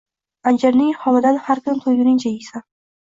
anjirning xomidan har kuni to‘yguningcha yeysan